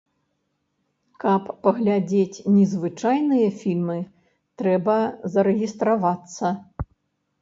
Каб паглядзець незвычайныя фільмы, трэба зарэгістравацца.